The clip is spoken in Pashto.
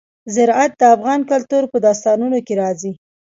زراعت د افغان کلتور په داستانونو کې راځي.